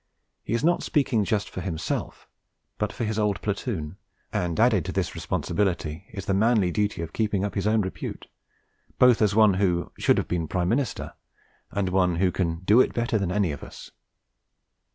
He is not speaking just for himself, but for his old platoon, and added to this responsibility is the manly duty of keeping up his own repute, both as one who 'should have been Prime Minister' and as one who 'can do it better than any of us.'